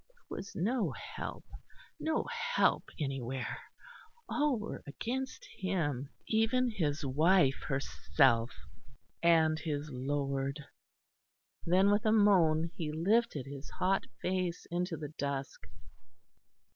There was no help, no help anywhere. All were against him even his wife herself; and his Lord. Then with a moan he lifted his hot face into the dusk.